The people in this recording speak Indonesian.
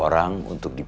yang itu lagi